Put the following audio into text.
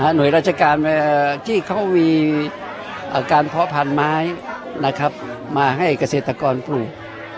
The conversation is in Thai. หน่วยราชการที่เขามีการเพาะพันธุ์ไม้มาให้เกษตรกรปลูก